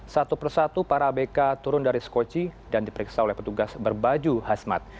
satu persatu para abk turun dari skoci dan diperiksa oleh petugas berbaju hasmat